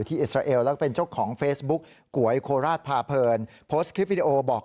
อีก๒โค้งกระดูก